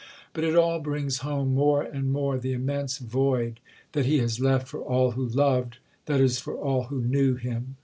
But it all brings home more and more the immense void that he has left for all who loved, that is for all who knew, him....